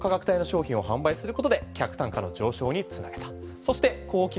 また高価格帯の商品を販売することで客単価の上昇に繋げた。